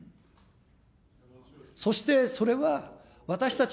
そしてそれは、私たち